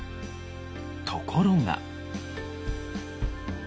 ところが。